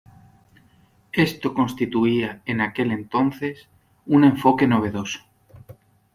Esto constituía en aquel entonces un enfoque novedoso.